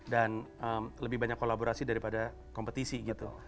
lebih banyak kolaborasi daripada kompetisi gitu